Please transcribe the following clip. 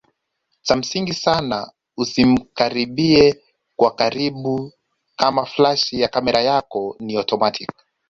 Cha msingi sana usimkaribie kwa karibu kama flash ya kamera yako ni automatic